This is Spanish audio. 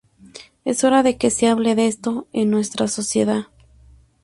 Es hora de que se hable de esto en nuestra sociedad".